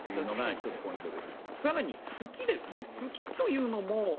１つポイントです。